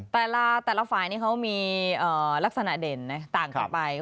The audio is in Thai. แต่ละฝ่ายนี่เขามีลักษณะเด่นนะต่างกันไป